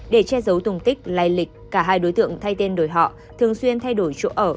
để che giấu tùng tích lai lịch cả hai đối tượng thay tên đổi họ thường xuyên thay đổi chỗ ở